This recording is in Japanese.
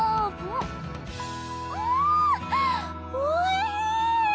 んんおいしい！